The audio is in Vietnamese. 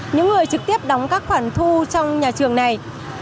những người trực tiếp đóng các khoản thu trong nhà trường này